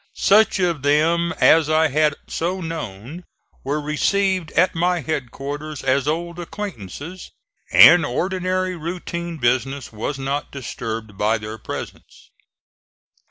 Such of them as I had so known were received at my headquarters as old acquaintances, and ordinary routine business was not disturbed by their presence.